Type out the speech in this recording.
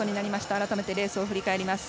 改めてレースを振り返ります。